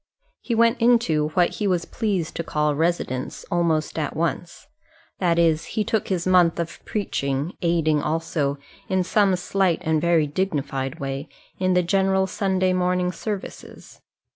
He went into, what he was pleased to call residence, almost at once. That is, he took his month of preaching, aiding also in some slight and very dignified way, in the general Sunday morning services.